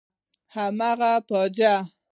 هماغه فوجي.